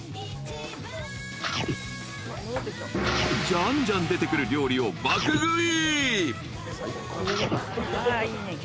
［じゃんじゃん出てくる料理を爆食い］